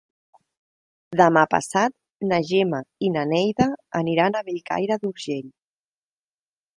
Demà passat na Gemma i na Neida aniran a Bellcaire d'Urgell.